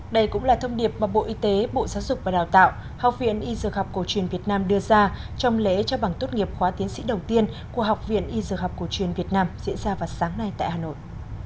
đây cũng là thông điệp mà bộ y tế bộ giáo dục và đào tạo học viện y dược học cổ truyền việt nam đưa ra trong lễ cho bằng tốt nghiệp khóa tiến sĩ đầu tiên của học viện y dược học cổ truyền việt nam diễn ra vào sáng nay tại hà nội